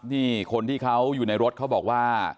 ที่คนที่เขาอยู่ในรถเขาบอกว่า